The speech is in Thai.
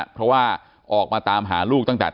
เพราะว่าออกมาตามหาลูกตั้งแต่